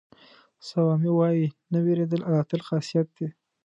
سوامي وایي نه وېرېدل د اتل خاصیت دی.